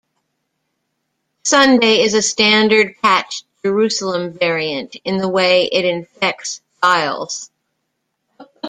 Sunday is a standard patched Jerusalem variant in the way it infects files.